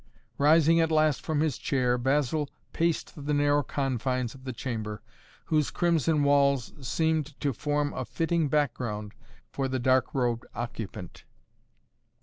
Rising at last from his chair Basil paced the narrow confines of the chamber, whose crimson walls seemed to form a fitting background for the dark robed occupant.